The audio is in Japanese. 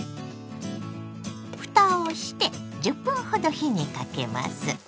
ふたをして１０分ほど火にかけます。